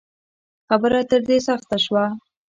خبره تر دې سخته شوه